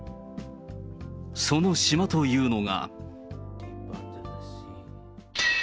その島というのが。